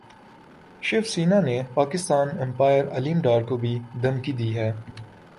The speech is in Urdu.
شیو سینا نے پاکستان امپائر علیم ڈار کو بھی دھمکی دے دی